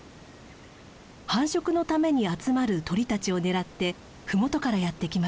繁殖のために集まる鳥たちを狙って麓からやって来ました。